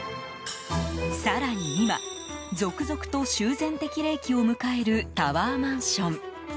更に今、続々と修繕適齢期を迎えるタワーマンション。